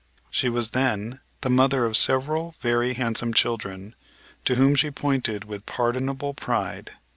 She was then the mother of several very handsome children, to whom she pointed with pardonable pride.